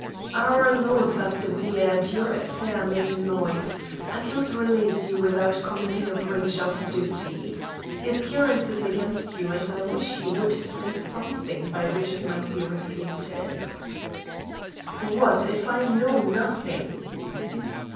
"Our laws are severe, and your affair made a noise. I cannot release you without committing a breach of duty. Appearance is against you, and I wish you would say something, by which it might be refuted." "What, if I know nothing?"